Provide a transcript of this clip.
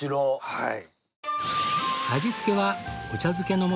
はい。